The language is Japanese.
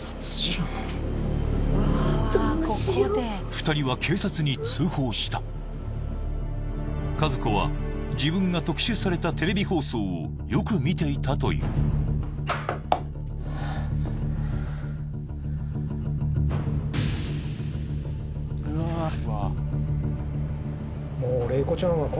２人は警察に通報した和子は自分が特集されたテレビ放送をよく見ていたといううーん